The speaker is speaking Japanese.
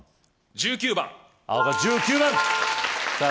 １９番青が１９番さぁ